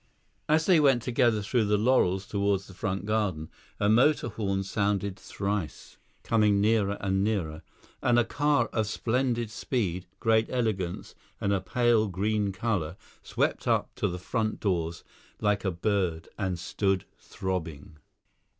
As they went together through the laurels towards the front garden a motor horn sounded thrice, coming nearer and nearer, and a car of splendid speed, great elegance, and a pale green colour swept up to the front doors like a bird and stood throbbing.